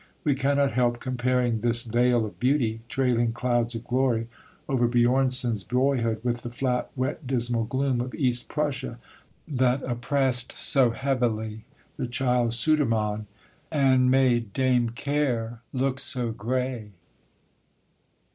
We cannot help comparing this vale of beauty, trailing clouds of glory over Björnson's boyhood, with the flat, wet, dismal gloom of East Prussia, that oppressed so heavily the child Sudermann, and made Dame Care look so grey.